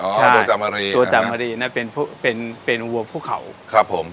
ฉ่ายจำมะรีตัวจำมะรีนะที่เป็นอวกภูเขาครับผม